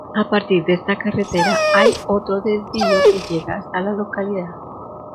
A partir de esta carretera hay otro desvío que llega hasta la localidad.